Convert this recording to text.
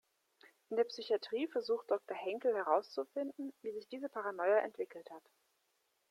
In der Psychiatrie versucht Doktor Henkel herauszufinden, wie sich diese Paranoia entwickelt hat.